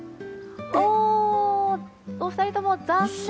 お二人とも、残念！